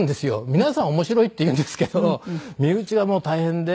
皆さんは面白いって言うんですけど身内はもう大変で。